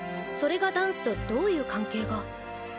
それがダンスとどういう関係が。